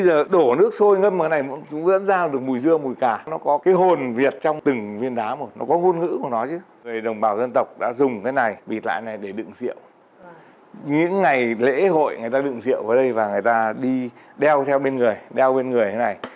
đi đeo theo bên người đeo bên người như thế này